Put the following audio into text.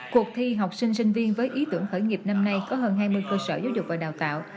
cuộc thi học sinh sinh viên với ý tưởng khởi nghiệp năm nay có hơn hai mươi cơ sở giáo dục và đào tạo